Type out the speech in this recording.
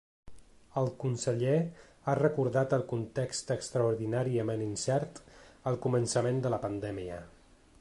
El conseller ha recordat el context “extraordinàriament incert” al començament de la pandèmia.